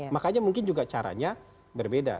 makanya mungkin juga caranya berbeda